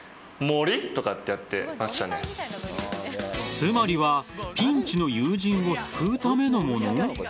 つまりはピンチの友人を救うためのもの？